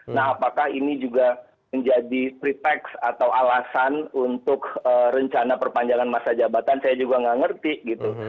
nah apakah ini juga menjadi pretext atau alasan untuk rencana perpanjangan masa jabatan saya juga nggak ngerti gitu